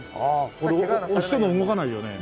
これ押しても動かないよね。